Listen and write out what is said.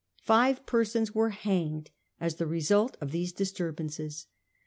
Five persons were hanged as the result of these disturbances.